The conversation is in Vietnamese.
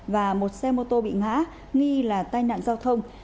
và một xe mô tô bị ngã nghi là tai nạn giao thông